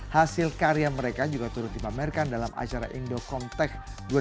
hasil karya mereka juga turut dipamerkan dalam acara indocom tech dua ribu delapan belas